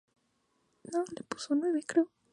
Esta longeva Semana Santa no deja de crecer.